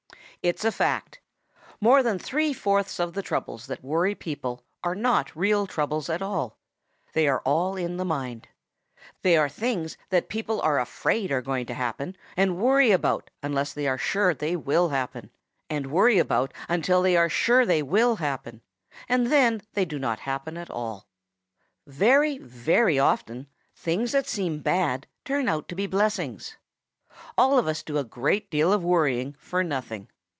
|ITS a fact. More than three fourths of the troubles that worry people are not real troubles at all. They are all in the mind. They are things that people are afraid are going to happen, and worry about until they are sure they will happen, and then they do not happen at all. Very, very often things that seem bad turn out to be blessings. All of us do a great deal of worrying for nothing.